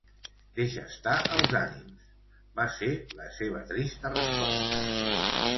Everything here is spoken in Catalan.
"Deixa estar els ànims", -va ser la seva trista resposta.